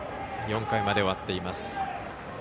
４回まで終わっています。